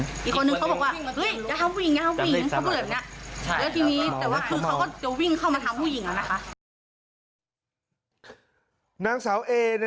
อีกคนนึงเขาบอกว่าจะทำผู้หญิงเขาก็จะแบบนี้